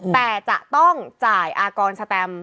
แต่จะต้องจ่ายอากรสแตม